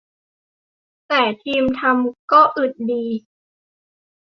แต่ทีมทำก็อึดดี